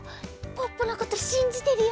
ポッポのことしんじてるよ。